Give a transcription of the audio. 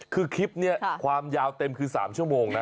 คือคลิปนี้ความยาวเต็มคือ๓ชั่วโมงนะ